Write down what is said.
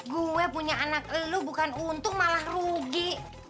gue punya anak lu bukan untung malah rugi